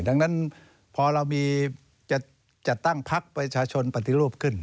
ดังนั้นพอเรามีจะตั้งพักประชาชนปฏิรูปขึ้น